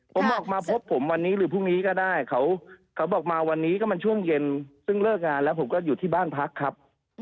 ผมออกมาพบผมวันนี้หรือพรุ่งนี้ก็ได้เขาบอกมาวันนี้ก็มันช่วงเย็นซึ่งเลิกงานแล้วผมก็อยู่ที่บ้านพักครับ